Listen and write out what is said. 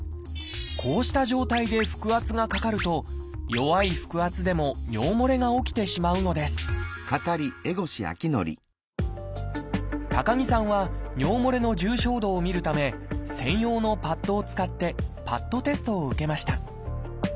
こうした状態で腹圧がかかると弱い腹圧でも尿もれが起きてしまうのです高木さんは尿もれの重症度を見るため専用のパッドを使ってパッドテストを受けました。